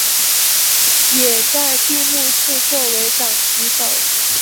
也在闭幕式作为掌旗手。